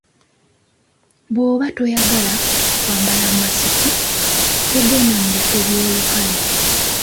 Bwoba toyagala kwambala masiki togenda mu bifo by'olukale.